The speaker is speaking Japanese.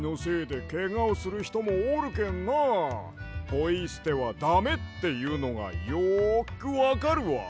ポイすてはだめっていうのがよくわかるわ。